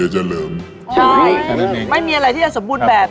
ไม่มีอะไรที่จะสมบูรณ์แบบ